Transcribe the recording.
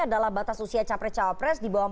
adalah batas usia cawapres di bawah empat puluh